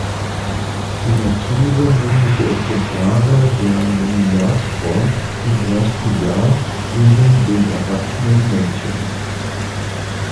Immature männliche Exemplare der Nominatform im ersten Jahr ähneln den erwachsenen Männchen.